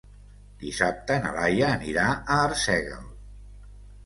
Dissabte na Laia anirà a Arsèguel.